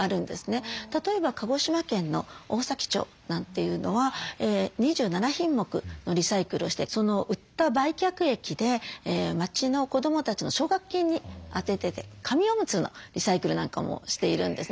例えば鹿児島県の大崎町なんていうのは２７品目のリサイクルをしてその売った売却益で町の子どもたちの奨学金に充ててて紙オムツのリサイクルなんかもしているんですね。